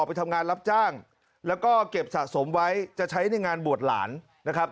ไปทำงานรับจ้างแล้วก็เก็บสะสมไว้จะใช้ในงานบวชหลานนะครับ